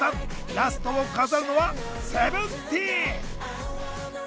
ラストを飾るのはＳＥＶＥＮＴＥＥＮ。